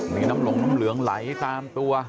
มีน้ำหลงน้ำเหลืองไหลตามตัว